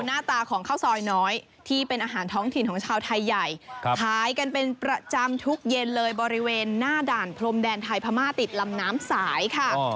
หน้าตาของข้าวซอยน้อยที่เป็นอาหารท้องถิ่นของชาวไทยใหญ่ขายกันเป็นประจำทุกเย็นเลยบริเวณหน้าด่านพรมแดนไทยพม่าติดลำน้ำสายค่ะ